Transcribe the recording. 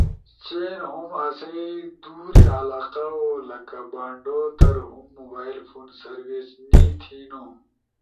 ۔چین ہم آسئی دورے علاقہ ؤ لکہ بانڈو در ہم موبائل فون سروس نی تھینو۔